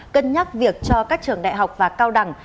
cân nhắc việc cho các trường đại học và cao đẳng